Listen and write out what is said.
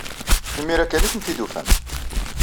Imir-a kan ay tent-id-tufam.